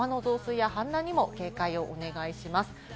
川の増水や氾濫にも警戒をお願いします。